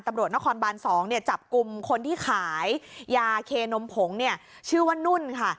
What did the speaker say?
ตำรวจนครบัน๒จับกลุ่มคนที่ขายยาเคนมผงชื่อว่านุ่นค่ะ